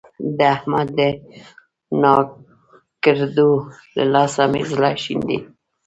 د احمد د ناکړدو له لاسه مې زړه شين دی.